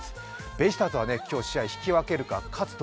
ベイスターズは今日、試合引き分けか勝つと